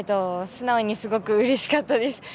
素直にすごくうれしかったです。